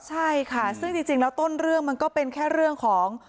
ใช่ค่ะซึ่งจริงแล้วต้นเรื่องมันก็เป็นแค่เรื่องของ